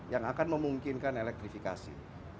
yang akan memungkinkan elektrifikasi